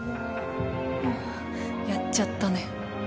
やっちゃったね。